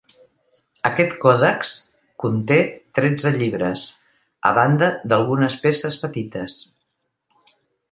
Aquest còdex conté tretze llibres, a banda d'algunes peces petites.